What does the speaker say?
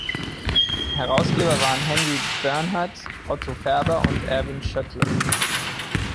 Herausgeber waren Henry Bernhard, Otto Färber und Erwin Schoettle.